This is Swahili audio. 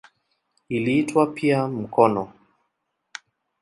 Iliitwa pia "mkono".